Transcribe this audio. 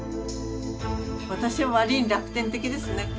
私は割に楽天的ですね。